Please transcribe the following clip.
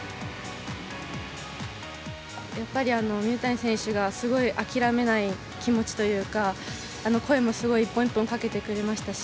やっぱり、水谷選手がすごい諦めない気持ちというか、声もすごい一本一本かけてくれましたし。